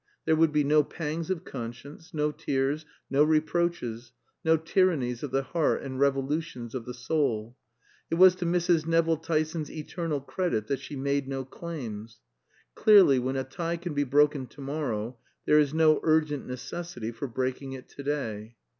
There would be no pangs of conscience, no tears, no reproaches; no tyrannies of the heart and revolutions of the soul. It was to Mrs. Nevill Tyson's eternal credit that she made no claims. Clearly, when a tie can be broken to morrow, there is no urgent necessity for breaking it to day.